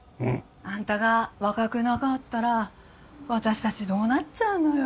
あんたが若くなかったら私たちどうなっちゃうのよ。